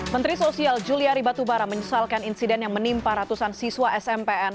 menteri sosial juliari batubara menyesalkan insiden yang menimpa ratusan siswa smpn